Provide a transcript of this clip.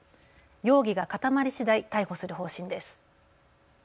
容疑が固まりしだい逮捕する方針です。